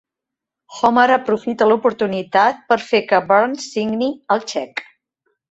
Homer aprofita l'oportunitat per fer que Burns signi el xec.